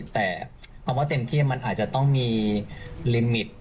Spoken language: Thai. แต่คำว่าเต็มที่มันอาจจะต้องมีลิมิต